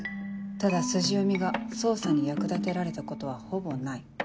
ただ筋読みが捜査に役立てられたことはほぼない。